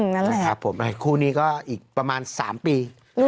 ครับผมคู่นี้ก็อีกประมาณ๓ปี